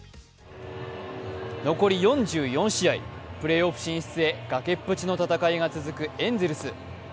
残り４４試合、プレーオフ進出へ崖っぷちの戦いが続くエンゼルス。